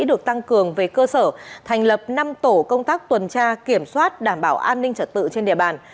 được tăng cường về cơ sở thành lập năm tổ công tác tuần tra kiểm soát đảm bảo an ninh trật tự trên địa bàn